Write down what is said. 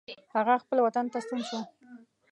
هغه خپل وطن ته ستون شو.